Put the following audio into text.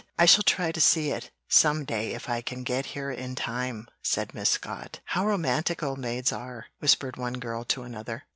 I shall try to see it some day if I can get here in time," said Miss Scott. "How romantic old maids are!" whispered one girl to another.